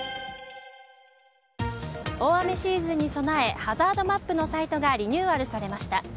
大雨シーズンに備えハザードマップのサイトがリニューアルされました。